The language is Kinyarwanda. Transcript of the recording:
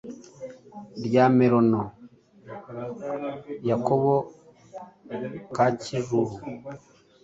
rya Merano ya Kobo ka Kijuru